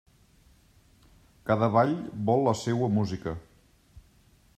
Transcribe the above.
Cada ball vol la seua música.